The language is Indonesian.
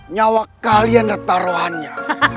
nyawa kalian retarohannya